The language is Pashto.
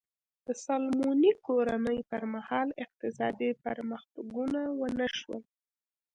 د سالومونیک کورنۍ پر مهال اقتصادي پرمختګونه ونه شول.